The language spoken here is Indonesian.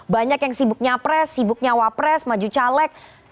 banyak yang sibuknya pres sibuknya wapres maju caleg